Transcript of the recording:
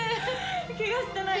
ケガしてない？